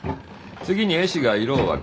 次に絵師が色を分ける。